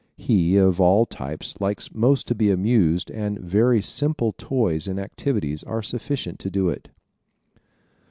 He of all types likes most to be amused and very simple toys and activities are sufficient to do it.